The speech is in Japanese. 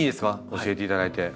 教えていただいて。